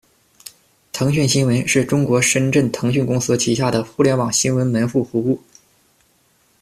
腾讯新闻，是中国深圳腾讯公司旗下的互联网新闻门户服务。